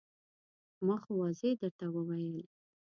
ما خو واضح درته وویل.